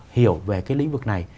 hiểu về cái lĩnh vực này